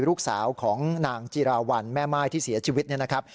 ลูกสาวของนางจิราวัลแม่ม่ายที่เสียชีวิตเนี่ยนะครับ